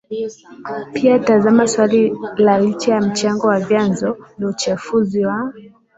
Pia tazama swali la Licha ya mchango wa vyanzo vya uchafuzi wa